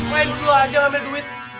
ma lu dua aja ambil duit